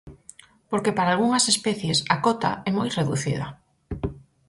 Porque para algunhas especies a cota é moi reducida.